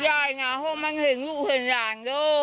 ยายหน่อพ่อมันเห็นลูกเห็นหลานเยอะ